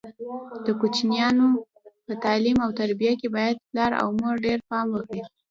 د کوچنیانو په تعلیم او تربیه کې باید پلار او مور ډېر پام وکړي.